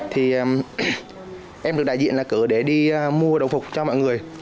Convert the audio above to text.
thì em được đại diện là cử để đi mua đồng phục cho mọi người